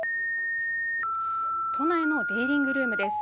都内のディーリングルームです